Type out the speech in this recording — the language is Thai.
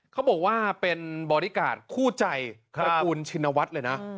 เขาบอกว่าเป็นบอร์ดิการ์ดคู่ใจกับคุณชินวัฒน์